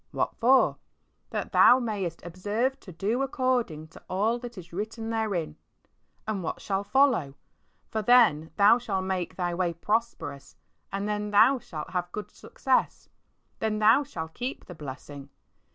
What for? "That thou mayest observe to do according to all that is written therein." And what shall follow? "For then thou shalt make thy way prosperous, and then thou shalt have good success." Then thou shalt keep the blessing.